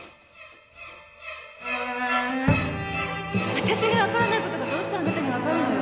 わたしに分からないことがどうしてあなたに分かるのよ？